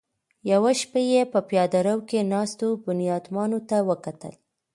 يوه شېبه يې په پياده رو کې ناستو بنيادمانو ته وکتل.